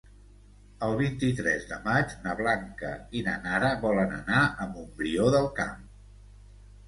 El vint-i-tres de maig na Blanca i na Nara volen anar a Montbrió del Camp.